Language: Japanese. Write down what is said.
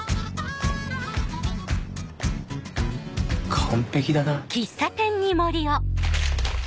完璧だな。